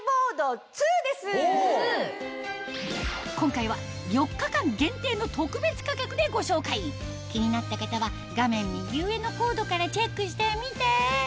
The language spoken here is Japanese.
今回は４日間限定の特別価格でご紹介気になった方は画面右上のコードからチェックしてみて！